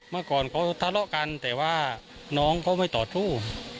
เมื่อก่อนเขาทะเลาะกันแต่ว่าน้องเขาไม่ต่อสู้